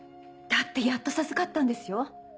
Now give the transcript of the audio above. だってやっと授かったんですよ。